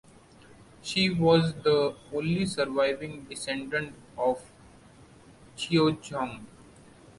She was the only surviving descendant of Cheoljong.